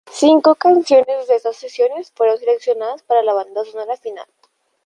Cinco canciones de estas sesiones fueron seleccionadas para la banda sonora final.